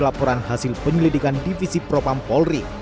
laporan hasil penyelidikan divisi propam polri